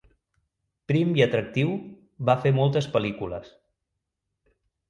Prim i atractiu, va fer moltes pel·lícules.